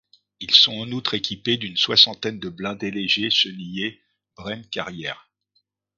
Ils sont en outre équipés d'une soixantaine de blindés légers chenillés Bren Carrier.